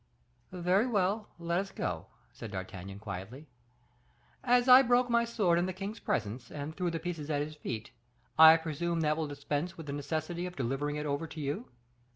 "Very well, let us go," said D'Artagnan, quietly. "As I broke my sword in the king's presence, and threw the pieces at his feet, I presume that will dispense with the necessity of delivering it over to you."